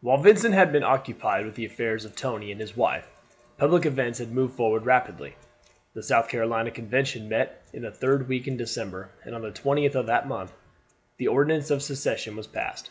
While Vincent had been occupied with the affairs of Tony and his wife, public events had moved forward rapidly. The South Carolina Convention met in the third week in December, and on the 20th of that month the Ordinance of Secession was passed.